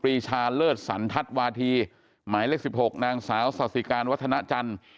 รีชาเลิศสันทัศน์วาธีหมายเลข๑๖นางสาวสาธิการวัฒนาจันทร์